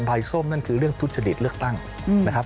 ใบส้มนั่นคือเรื่องทุจริตเลือกตั้งนะครับ